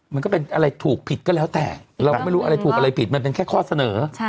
มันก็เป็นอะไรถูกผิดก็แล้วแต่เราก็ไม่รู้อะไรถูกอะไรผิดมันเป็นแค่ข้อเสนอ